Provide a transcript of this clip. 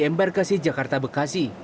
embarkasi jakarta bekasi